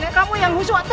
kamu yang khusus